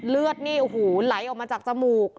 เลือดนี่โอ้โหไหลออกมาจากจมูก